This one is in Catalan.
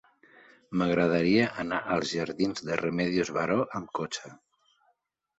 M'agradaria anar als jardins de Remedios Varó amb cotxe.